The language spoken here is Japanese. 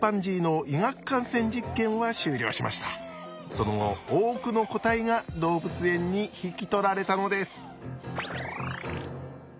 その後多くの個体が動物園に引き取られたのです。